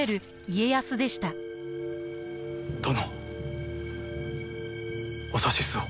殿お指図を。